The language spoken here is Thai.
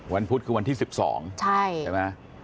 พุธคือวันที่๑๒ใช่ไหม